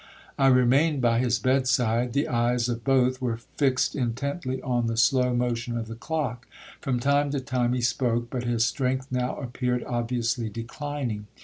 'I remained by his bed side—the eyes of both were fixed intently on the slow motion of the clock. From time to time he spoke, but his strength now appeared obviously declining.